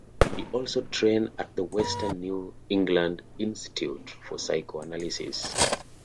He also trained at the Western New England Institute for Psychoanalysis.